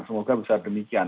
semoga bisa demikian